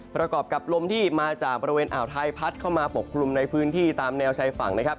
ประกอบกับลมที่มาจากบริเวณอ่าวไทยพัดเข้ามาปกคลุมในพื้นที่ตามแนวชายฝั่งนะครับ